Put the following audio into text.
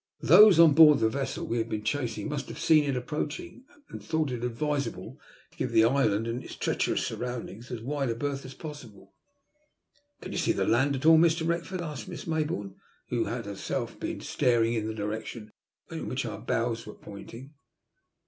Those on board the vessel we had been chasing must have seen it approaching, and have thought it advisable to give the island and its treacherous surroundings as wide a berth as possible. "Can you see the land at all, Mr. Wrexford?" asked Miss Maybourne, who had herself been staring in the direction in which our bows were pointing.